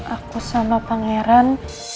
aku sama pangeran